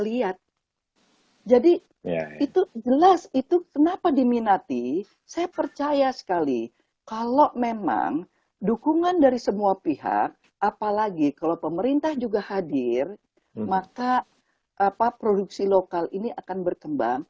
lihat jadi itu jelas itu kenapa diminati saya percaya sekali kalau memang dukungan dari semua pihak apalagi kalau pemerintah juga hadir maka produksi lokal ini akan berkembang